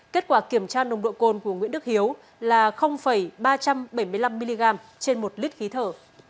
kết quả kiểm tra nồng độ cồn của nguyễn đức hiếu là ba trăm bảy mươi năm mg trên một lít khí thở